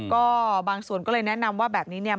ก็บางส่วนก็เลยแนะนำว่าแบบนี้เนี่ย